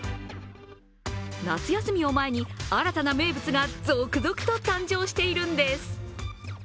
夏休みを前に新たな名物が続々と誕生しているんです。